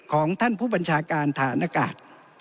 ของท่านผู้บัญชาการฐานอากาศ